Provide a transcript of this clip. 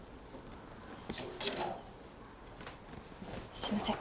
すみません。